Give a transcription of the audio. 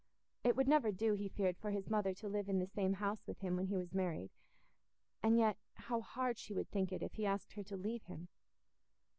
It would never do, he feared, for his mother to live in the same house with him when he was married; and yet how hard she would think it if he asked her to leave him!